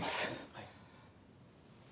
はい。